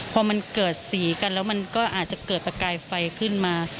พอมันเกิดสีกันแล้วมันก็อาจจะเกิดประกายไฟขึ้นมา